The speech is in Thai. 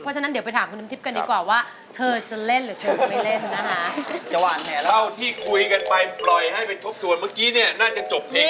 เพราะฉะนั้นเดี๋ยวไปถามคุณน้ำทิพย์กันดีกว่าว่า